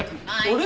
あれ？